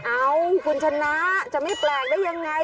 เอ้าคุณชนะจะไม่แปลกได้ยังไง